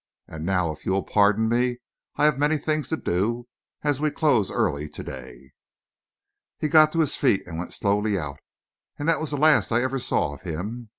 And now, if you will pardon me, I have many things to do, and we close early to day." He got to his feet and went slowly out; and that was the last I ever saw of him.